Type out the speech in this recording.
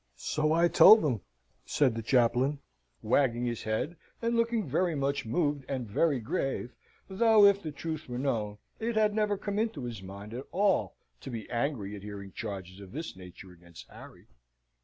"So I told them," says the chaplain, wagging his head and looking very much moved and very grave, though, if the truth were known, it had never come into his mind at all to be angry at hearing charges of this nature against Harry.